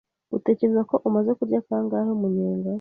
Utekereza ko umaze kurya kangahe umunyenga?